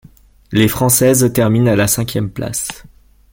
Les Françaises terminent à la cinquième place.